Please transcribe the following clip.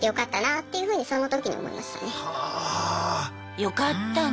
よかったね。